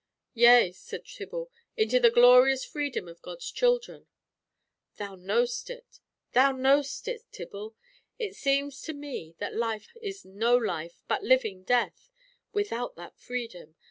"Yea," said Tibble, "into the glorious freedom of God's children." "Thou knowst it. Thou knowst it, Tibble. It seems to me that life is no life, but living death, without that freedom!